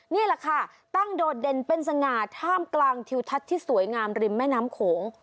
นี่แหละค่ะตั้งโดดเด่นเป็นสง่าท่ามกลางทิวทัศน์ที่สวยงามริมแม่น้ำโขง